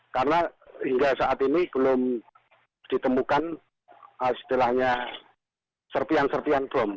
karena hingga saat ini belum ditemukan setelahnya serpian serpian bom